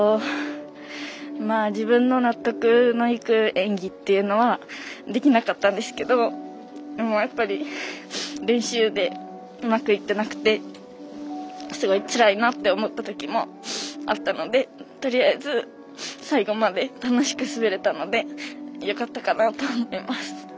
自分の納得のいく演技というのはできなかったんですけどやっぱり練習でうまくいってなくてすごいつらいなって思ったときもあったのでとりあえず最後まで楽しく滑れたのでよかったかなと思います。